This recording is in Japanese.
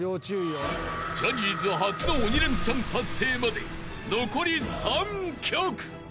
［ジャニーズ初の鬼レンチャン達成まで残り３曲］